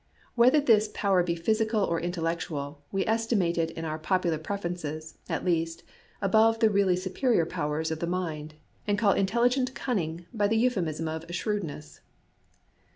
Whether this power be physical or intellectual, we estimate it in our popular preferences, at least, above the really superior powers of the mind, and call intelligent cunning by the euphemism of "shrewdness."